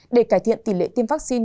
để cải thiện tỷ lệ tiêm vaccine